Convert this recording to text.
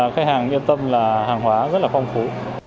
khách hàng yên tâm là hàng hóa rất là phong phú